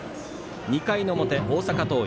２回の表、大阪桐蔭。